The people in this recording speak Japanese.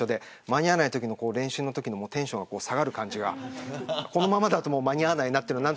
間に合わないときの練習のテンションの下がる感じがこのままだと間に合わないなというのが。